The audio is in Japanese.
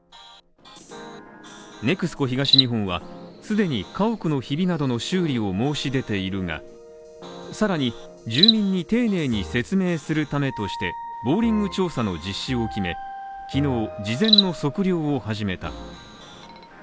ＮＥＸＣＯ東日本は、既に家屋の被害などの修理を申し出ているが、さらに住民に丁寧に説明するためとして、ボーリング調査の実施を決め、昨日、事前の測量を始めた。